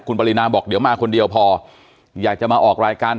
คุณปรินาบอกเดี๋ยวมาคนเดียวพออยากจะมาออกรายการ